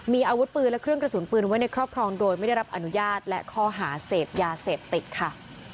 มีอาวุธปืนและเครื่องกระสุนปืนไว้ในครอบครองโดยไม่ได้รับอนุญาตและข้อหาเสพยาเสพติดค่ะ